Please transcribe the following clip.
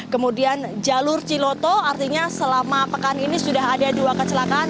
kemudian jalur ciloto artinya selama pekan ini sudah ada dua kecelakaan